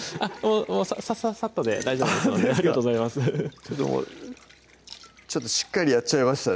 もうサササッとで大丈夫ですのでほんとですかちょっとしっかりやっちゃいましたね